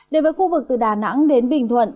đến với khu vực từ đà nẵng đến bình thuận